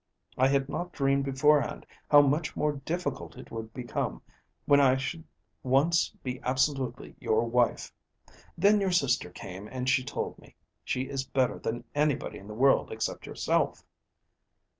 I had not dreamed beforehand how much more difficult it would become when I should once be absolutely your wife. Then your sister came and she told me. She is better than anybody in the world except yourself."